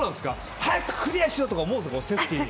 早くクリアしよう！とか思うんですか。